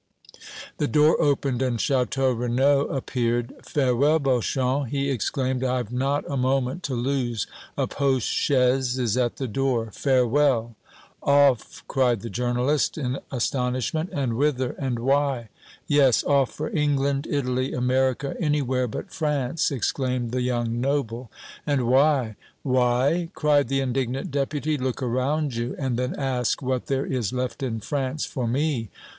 The door opened and Château Renaud appeared. "Farewell, Beauchamp!" he exclaimed, "I've not a moment to lose! A post chaise is at the door! Farewell!" "Off!" cried the journalist, in astonishment. "And whither and why?" "Yes, off for England Italy America anywhere but France!" exclaimed the young noble. "And why?" "Why?" cried the indignant Deputy. "Look around you and then ask what there is left in France for me!